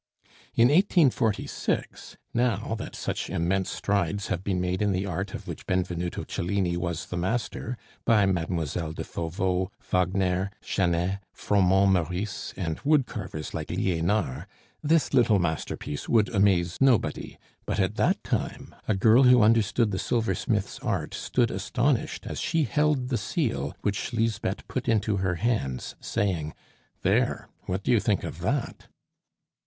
In 1846, now that such immense strides have been made in the art of which Benvenuto Cellini was the master, by Mademoiselle de Fauveau, Wagner, Jeanest, Froment Meurice, and wood carvers like Lienard, this little masterpiece would amaze nobody; but at that time a girl who understood the silversmith's art stood astonished as she held the seal which Lisbeth put into her hands, saying: "There! what do you think of that?"